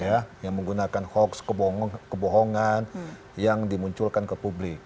ya yang menggunakan hoax kebohongan yang dimunculkan ke publik